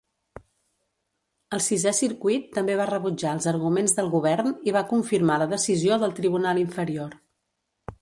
El Sisè Circuit també va rebutjar els arguments del Govern i va confirmar la decisió del tribunal inferior.